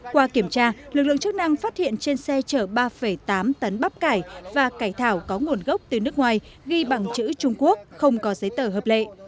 qua kiểm tra lực lượng chức năng phát hiện trên xe chở ba tám tấn bắp cải và cải thảo có nguồn gốc từ nước ngoài ghi bằng chữ trung quốc không có giấy tờ hợp lệ